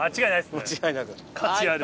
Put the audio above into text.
間違いなく。